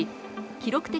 記録的